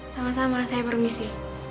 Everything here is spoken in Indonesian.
sama sama saya permisi